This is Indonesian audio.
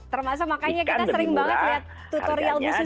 termasuk makanya kita sering banget lihat tutorial musisi ya bu